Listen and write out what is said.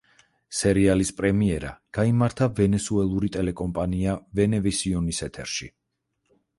სერიალის პრემიერა გაიმართა ვენესუელური ტელეკომპანია ვენევისიონის ეთერში.